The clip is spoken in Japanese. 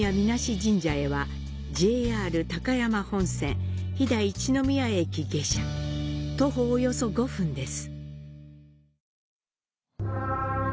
神社へは、ＪＲ高山本線飛騨一ノ宮駅下車、徒歩約５分です。